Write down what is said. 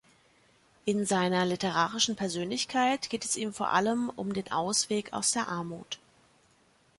In seiner literarischen Persönlichkeit geht es ihm vor allem um den Ausweg aus der Armut.